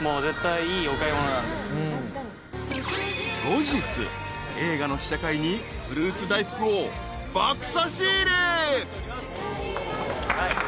［後日映画の試写会にフルーツ大福を爆差し入れ］